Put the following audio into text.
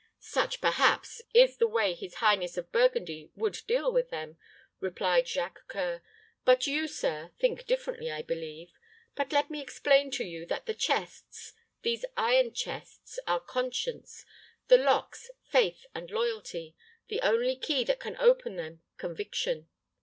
"Such, perhaps, is the way his highness of Burgundy would deal with them," replied Jacques C[oe]ur. "But you, sir, think differently, I believe. But let me explain to you that the chests these iron chests, are conscience the locks, faith and loyalty the only key that can open them, conviction.